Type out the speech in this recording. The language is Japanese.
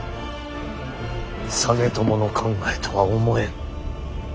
実朝の考えとは思えん。